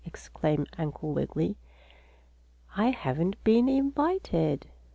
exclaimed Uncle Wiggily. "I haven't been invited."